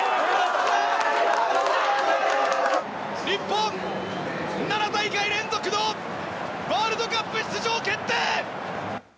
日本、７大会連続のワールドカップ出場決定！